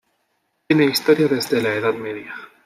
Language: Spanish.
Tiene historia desde la edad media.